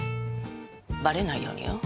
バレないようによ。